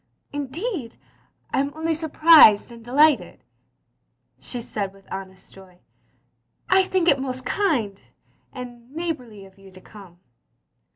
" Indeed, I 'm only surprised and delighted, *' she said with honest joy, " I think it most kind and — ^neighbourly of you to come."